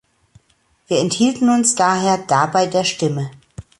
Wir enthielten uns daher dabei der Stimme.